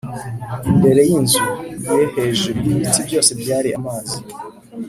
imbere y’inzu ye hejuru y’ibiti byose byari amazi